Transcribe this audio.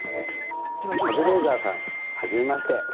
カズレーザーさん初めまして。